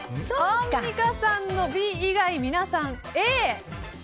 アンミカさんのＢ以外皆さんＡ。